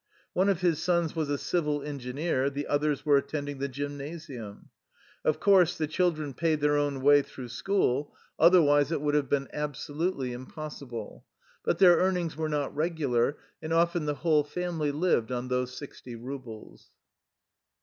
One of his sons was a civil engineer, the others were attending the gymnasium. Of course, the children paid their own way through school, otherwise it 43 THE LIFE STOKY OF A RUSSIAN EXILE would have been absolutely impossible. But their earnings were not regular, and often the whole family lived on those sixty rubles.